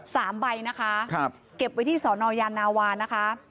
สามใบนะคะครับเก็บไว้ที่สอนอยานาวานะคะ